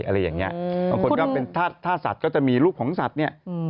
อะไรอย่างนี้บางคนก็เป็นถ้าสัตว์ก็จะมีลูกของสัตว์เนี่ย